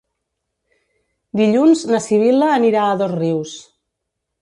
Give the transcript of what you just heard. Dilluns na Sibil·la anirà a Dosrius.